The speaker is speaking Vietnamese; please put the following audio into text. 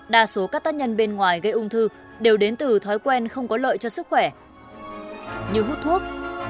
đa số các tác nhân bên ngoài gây ung thư đều đến từ thói quen không có lợi cho sức khỏe như hút thuốc